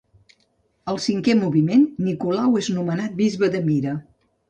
Al cinquè moviment, Nicolau és nomenat bisbe de Mira.